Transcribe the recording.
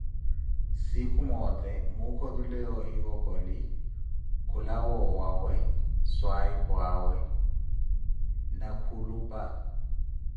Sinkhu moote muukha otule woohivokoli khulawa owawe swayipwawe ni khulupa.